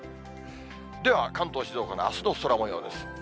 では、関東、静岡のあすの空もようです。